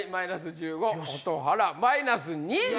１５蛍原マイナス２０！